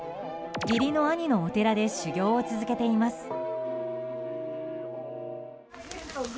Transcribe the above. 義理の兄のお寺で修行を続けています。